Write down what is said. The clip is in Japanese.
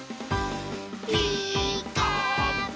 「ピーカーブ！」